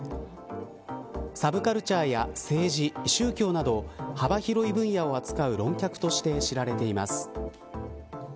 サブカルチャーや政治、宗教など幅広い分野を扱う論客として知られています。